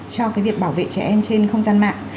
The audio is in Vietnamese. cho việc bảo vệ trẻ em trên không gian mạng